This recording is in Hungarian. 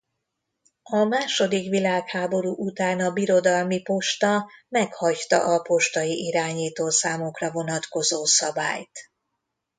A második világháború után a Birodalmi Posta meghagyta a postai irányítószámokra vonatkozó szabályt.